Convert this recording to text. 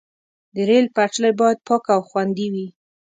د ریل پټلۍ باید پاکه او خوندي وي.